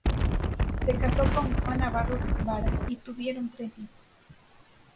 Se casó con "Juana Barros Varas" y tuvieron tres hijos.